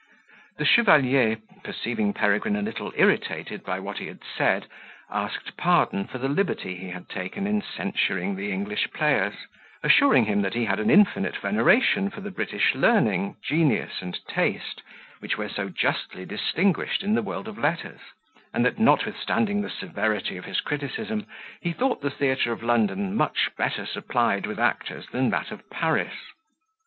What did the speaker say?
The chevalier, perceiving Peregrine a little irritated at what he had said, asked pardon for the liberty he had taken in censuring the English players; assuring him that he had an infinite veneration for the British learning, genius, and taste, which were so justly distinguished in the world of letters; and that, notwithstanding the severity of his criticism, he thought the theatre of London much better supplied with actors than that of Paris.